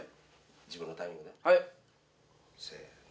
自分のタイミングでせの！